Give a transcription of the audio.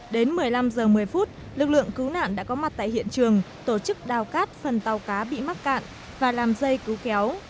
đến một mươi năm h một mươi phút lực lượng cứu nạn đã có mặt tại hiện trường tổ chức đào cát phần tàu cá bị mắc cạn và làm dây cứu kéo